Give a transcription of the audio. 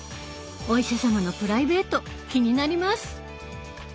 お医者様のプライベート気になります。